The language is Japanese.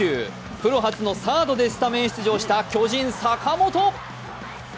プロ初のサードでスタメン出場した巨人・坂本。